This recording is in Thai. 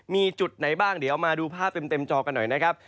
มีจุดไหนบ้างเดี๋ยวมาดูภาพเต็มจอกันหน่อยนะครับ